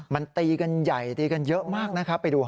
มันตีกันใหญ่ตีกันเยอะมากนะครับไปดู